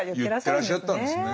言ってらっしゃったんですね。